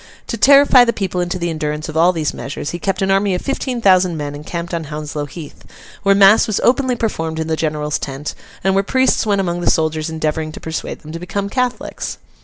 To terrify the people into the endurance of all these measures, he kept an army of fifteen thousand men encamped on Hounslow Heath, where mass was openly performed in the General's tent, and where priests went among the soldiers endeavouring to persuade them to become Catholics.